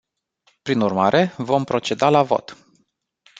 Prin urmare vom proceda la vot.